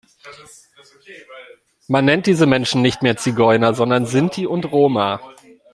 Man nennt diese Menschen nicht mehr Zigeuner, sondern Sinti und Roma.